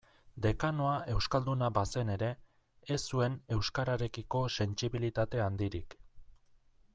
Dekanoa euskalduna bazen ere, ez zuen euskararekiko sentsibilitate handirik.